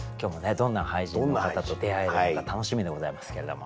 どんな俳人の方と出会えるのか楽しみでございますけれども。